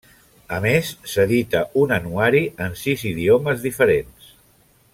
A més, s'edita un anuari en sis idiomes diferents.